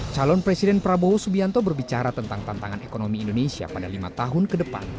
calon presiden prabowo subianto berbicara tentang tantangan ekonomi indonesia pada lima tahun ke depan